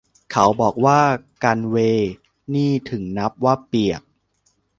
เขาบอกว่า กัลเวย์ นี่ถึงนับว่าเปียก